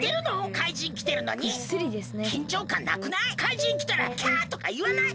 かいじんきたら「キャ！」とかいわない？